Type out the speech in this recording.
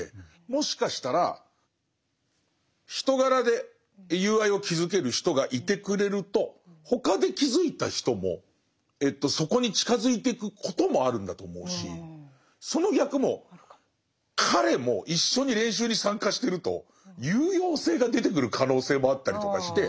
もしかしたら人柄で友愛を築ける人がいてくれると他で築いた人もそこに近づいてくこともあるんだと思うしその逆も彼も一緒に練習に参加してると有用性が出てくる可能性もあったりとかして。